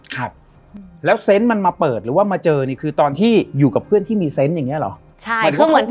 ครับแล้วเซนต์มันมาเปิดหรือว่ามาเจอนี่คือตอนที่อยู่กับเพื่อนที่มีเซนต์อย่างเงี้เหรอใช่